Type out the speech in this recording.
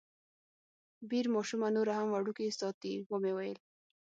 بیر ماشومه نوره هم وړوکې ساتي، ومې ویل.